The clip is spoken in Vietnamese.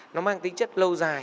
nó mang tính chất lâu dài